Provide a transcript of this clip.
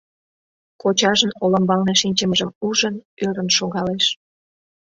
Кочажын олымбалне шинчымыжым ужын, ӧрын шогалеш.